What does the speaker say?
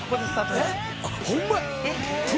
ホンマや！